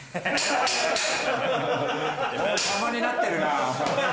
様になってるな。